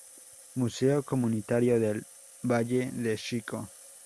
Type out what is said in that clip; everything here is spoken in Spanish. Museo comunitario de Valle de Xico.